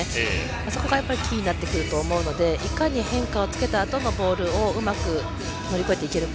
そこがやっぱりキーになってくると思うので変化をつけたあとのボールをうまく乗り越えていけるか。